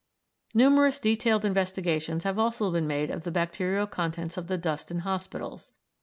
Numerous detailed investigations have also been made of the bacterial contents of the dust in hospitals.